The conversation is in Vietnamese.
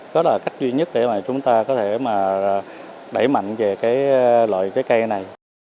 đó là cách duy nhất để chúng ta có thể đẩy mạnh về loại cây này